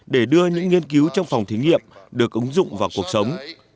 để đưa những nghiên cứu trong phòng thí nghiệm được ứng dụng vào cuộc sống